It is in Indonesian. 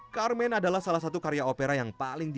carmen adalah salah satu karya opera yang paling di